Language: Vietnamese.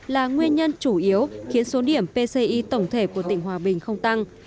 là nguyên nhân chủ yếu khiến số điểm pci tổng thể của tỉnh hòa bình không tăng